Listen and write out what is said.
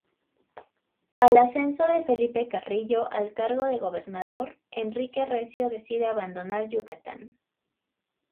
Al ascenso de Felipe Carrillo al cargo de gobernador, Enrique Recio decide abandonar Yucatán.